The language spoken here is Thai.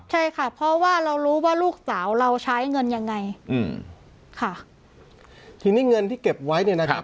ใช่ค่ะเพราะว่าเรารู้ว่าลูกสาวเราใช้เงินยังไงอืมค่ะทีนี้เงินที่เก็บไว้เนี่ยนะครับ